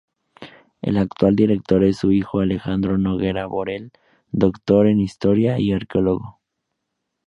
El actual director es su hijo Alejandro Noguera Borel, Doctor en Historia y arqueólogo.